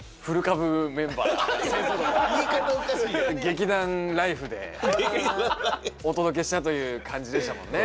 劇団「ＬＩＦＥ！」でお届けしたという感じでしたもんね。